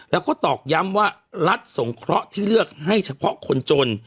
แล้วก็ตอกย้ำว่ารัฐสงเคราะห์ที่เลือกให้เฉพาะคนจน